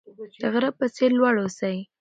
د غره په څیر لوړ اوسئ.